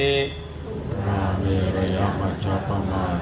อธินาธาเวระมะนิสิขาปะทังสมาธิยามี